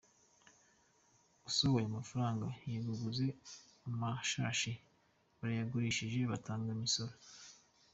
Usohoye amafaranga yego, uguze amashashi, barayagurishije, batanga imisoro.